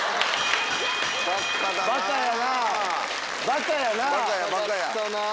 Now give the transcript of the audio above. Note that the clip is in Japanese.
バカだな！